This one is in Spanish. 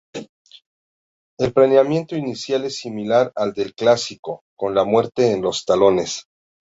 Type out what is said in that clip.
El planteamiento inicial es similar al del clásico "Con la muerte en los talones".